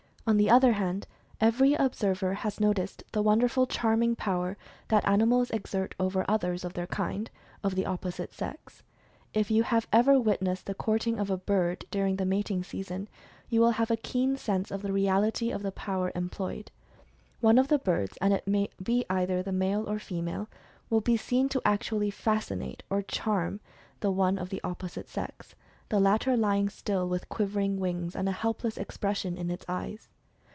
On the other hand, every observer has noticed the wonderful "charming" power that animals exert over others of their kind, of the op posite sex. If you have ever witnessed the courting of a bird, during the mating season, you will have a keen sense of the reality of the power employed. One of the birds, and it may be either a male or female, will be seen to actually "fascinate" or "charm" the one of the opposite sex, the latter lying still with quivering wings, and a helpless expression in its eyes.